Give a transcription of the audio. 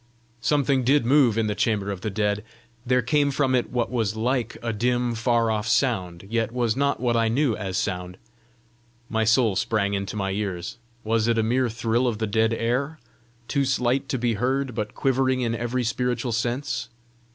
Something did move in the chamber of the dead! There came from it what was LIKE a dim, far off sound, yet was not what I knew as sound. My soul sprang into my ears. Was it a mere thrill of the dead air, too slight to be heard, but quivering in every spiritual sense?